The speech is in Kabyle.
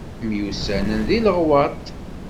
Myussanen deg Leɣwaṭ.